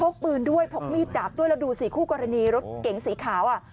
ปืนด้วยพกมีดดาบด้วยแล้วดูสิคู่กรณีรถเก๋งสีขาวอ่ะ